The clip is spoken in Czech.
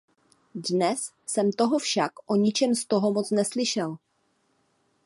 Dnes jsem toho však o ničem z toho moc neslyšel.